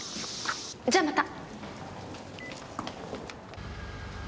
じゃあまた。